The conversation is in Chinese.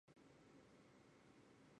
卢皮阿克。